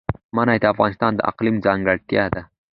منی د افغانستان د اقلیم ځانګړتیا ده.